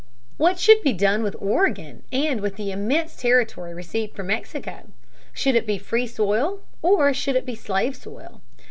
What should be done with Oregon and with the immense territory received from Mexico? Should it be free soil or should it be slave soil?